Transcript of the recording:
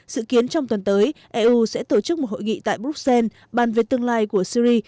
dự kiến trong tuần tới eu sẽ tổ chức một hội nghị tại bruxelles bàn về tương lai của syri